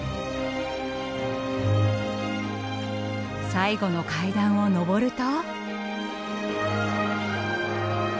最後の階段を上ると。